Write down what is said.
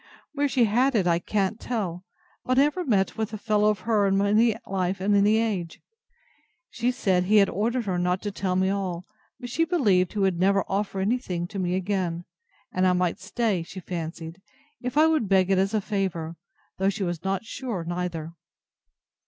Where she had it, I can't tell; but I never met with the fellow of her in any life, at any age. She said, he had ordered her not to tell me all: but she believed he would never offer any thing to me again; and I might stay, she fancied, if I would beg it as a favour; though she was not sure neither.